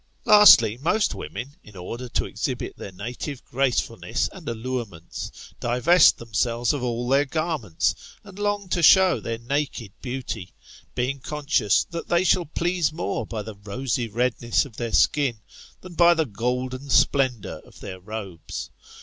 Lastly, most women, in order to exhibit their native gracefulness and allurements, divest themselves of all their garments, and long to show their naked beauty; being conscious that they shall please more by the rosy redness of their skin, tfi^n by the golden splendour of their robes.